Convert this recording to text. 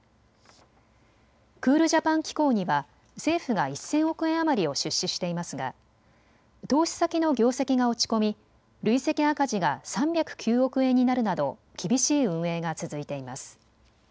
クールジャパン機構には政府が１０００億円余りを出資していますが投資先の業績が落ち込み累積赤字が３０９億円になるなど厳しい運営が続いています。